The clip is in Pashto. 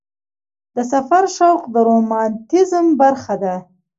د سفر شوق د رومانتیزم برخه ده.